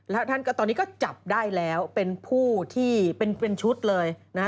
แล้วท่านก็ตอนนี้ก็จับได้แล้วเป็นผู้ที่เป็นชุดเลยนะฮะ